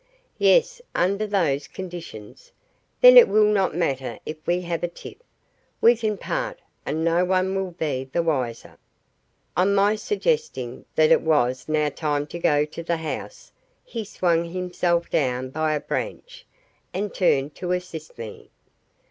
` "Yes; under those conditions. Then it will not matter if we have a tiff. We can part, and no one will be the wiser." On my suggesting that it was now time to go to the house, he swung himself down by a branch and turned to assist me.